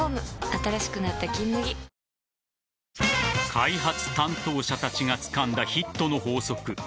開発担当者たちがつかんだヒットの法則